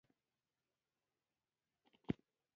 دا د ایمان د رامنځته کولو یوازېنۍ نسخه ده